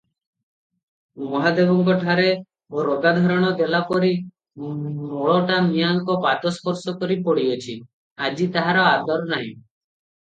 ମହାଦେବଙ୍କଠାରେ ରୋଗା ଧାରଣ ଦେଲାପରି ନଳଟା ମିଆଁଙ୍କ ପାଦ ସ୍ପର୍ଶକରି ପଡ଼ିଅଛି, ଆଜି ତାହାର ଆଦର ନାହିଁ ।